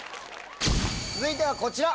続いてはこちら。